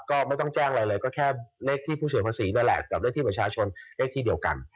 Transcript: ก็ไม่ต้องแจ้งอะไรเลยก็แค่เลขที่ผู้เสียภาษีนั่นแหละกับเลขที่ประชาชนเลขที่เดียวกัน